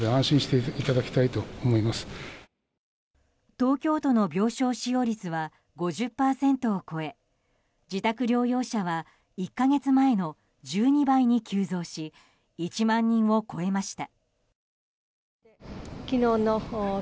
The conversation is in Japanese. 東京都の病床使用率は５０％を超え自宅療養者は１か月前の１２倍に急増し１万人を超えました。